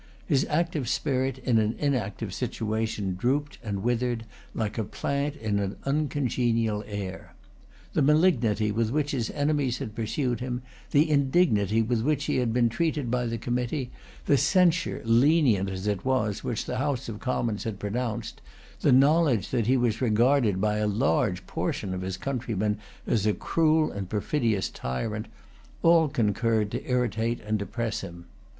His active spirit in an inactive situation drooped and withered like a plant in an uncongenial air. The malignity with which his enemies had pursued him, the indignity with which he had been treated by the committee, the censure, lenient as it was, which the House of Commons had pronounced, the knowledge that he was regarded by a large portion of his countrymen as a cruel and perfidious tyrant, all concurred to irritate and depress him.